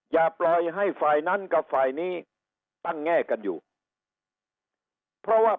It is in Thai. อย่าปล่อยให้ฝ่ายนั้นกับฝ่ายนี้ตั้งแง่กันอยู่เพราะว่า